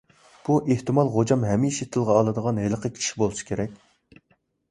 بۇ ئېھتىمال غوجام ھەمىشە تىلغا ئالىدىغان ھېلىقى كىشى بولسا كېرەك.